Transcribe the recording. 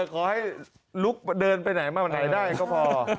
ขอให้ลุกเดินไปไหนมาวันไหนได้ก็พอ